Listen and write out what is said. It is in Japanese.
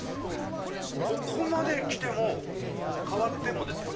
ここまできても変わってもですよ。